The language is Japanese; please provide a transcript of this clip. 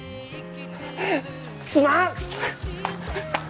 すまん！